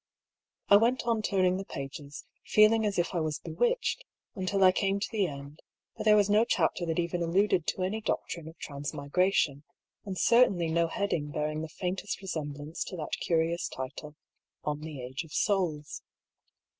I went on turning the pages, feeling as if I was be witched, until I came to the end; but there was no chapter that even alluded to any doctrine of transmi gration, and certainly no heading bearing the faintest resemblance to that curious title, " On the Age of Souls."